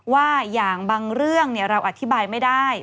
ว่าอย่างบางเรื่องเราอธิบายไม่ได้